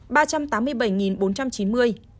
bắc giang ba trăm tám mươi bảy bốn trăm chín mươi